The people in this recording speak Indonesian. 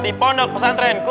di pondok pesantren kun anta